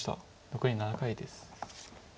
残り７回です。